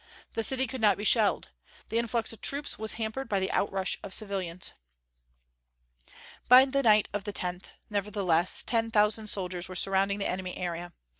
The city could not be shelled. The influx of troops was hampered by the outrush of civilians. By the night of the tenth, nevertheless, ten thousand soldiers were surrounding the enemy area.